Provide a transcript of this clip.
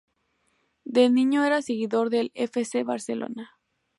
De niño era seguidor del F. C. Barcelona.